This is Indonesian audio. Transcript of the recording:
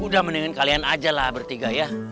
ya mendingan kalian ajalah bertiga ya